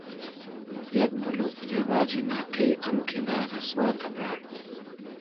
یئگ بولوگ رېواجی ناقی ام کیدۂ رئسوا تئبال